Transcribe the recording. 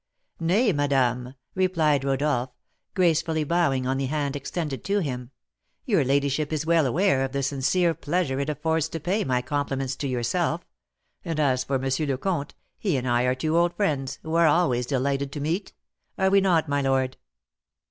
"Nay, madame," replied Rodolph, gracefully bowing on the hand extended to him, "your ladyship is well aware of the sincere pleasure it affords to pay my compliments to yourself; and as for M. le Comte, he and I are two old friends, who are always delighted to meet. Are we not, my lord?"